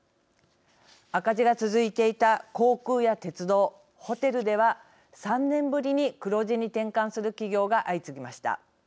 赤字が続いていた航空や鉄道、ホテルでは３年ぶりに黒字に転換する企業が相次ぎました。